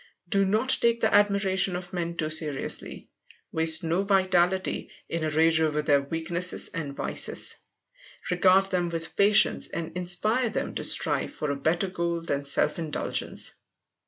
Do not take the admiration of men too seriously. Waste no vitality in a rage over their weaknesses and vices. Regard them with patience and inspire them to strive for a better goal than self indulgence.